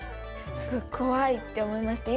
すごく怖いって思いました。